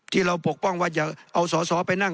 ที่เราปกป้องว่าจะเอาสอสอไปนั่ง